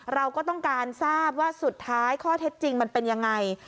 เราก็ต้องการทราบว่าสุดท้ายข้อเท็จจริงมันเป็นยังไง